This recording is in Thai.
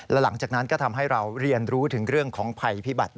และหลังจากนั้นก็ทำให้เราเรียนรู้ถึงเรื่องของภัยพิบัติ